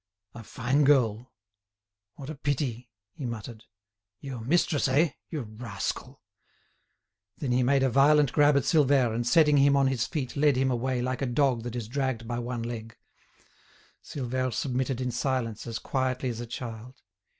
"A fine girl; what a pity!" he muttered. "Your mistress, eh? you rascal!" Then he made a violent grab at Silvère, and setting him on his feet led him away like a dog that is dragged by one leg. Silvère submitted in silence, as quietly as a child.